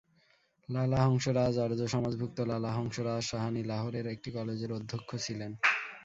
লালা হংসরাজ আর্যসমাজভুক্ত লালা হংসরাজ সাহানী, লাহোরের একটি কলেজের অধ্যক্ষ ছিলেন।